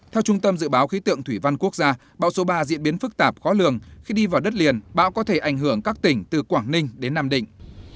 theo trung tâm dự báo khí tượng thủy văn quốc gia bão số ba diễn biến phức tạp khó lường khi đi vào đất liền bão có thể ảnh hưởng các tỉnh từ quảng ninh đến nam định